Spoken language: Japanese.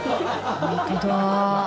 「本当だ」